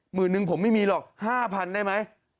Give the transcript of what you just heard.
หนึ่งผมไม่มีหรอก๕๐๐๐ได้ไหม